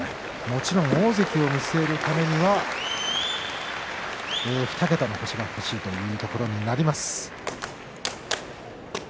もちろん大関になるためには２桁の星が欲しいというところになります。